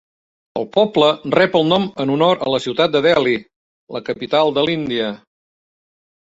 El poble rep el nom en honor a la ciutat de Delhi, la capital de l'Índia.